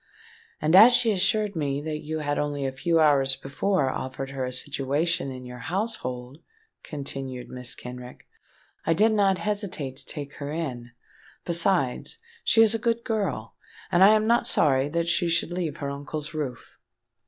"And as she assured me that you had only a few hours before offered her a situation in your household," continued Mrs. Kenrick, "I did not hesitate to take her in. Besides, she is a good girl, and I am not sorry that she should leave her uncle's roof."